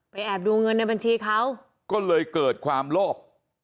แอบดูเงินในบัญชีเขาก็เลยเกิดความโลภ